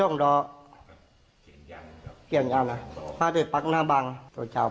อันนี้ได้หมายความเดินมาล่ะนะครับ